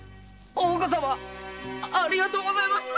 大岡様ありがとうございました。